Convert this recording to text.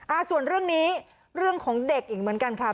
อ่าส่วนเรื่องนี้เรื่องของเด็กอีกเหมือนกันค่ะ